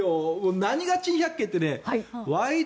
何が珍百景って「ワイド！